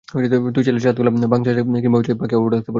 তুমি চাইলে চাঁদ খালা, বাঘ চাচা কিংবা পাখি আপুও ডাকতে পারো।